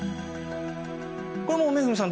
これもう恵さん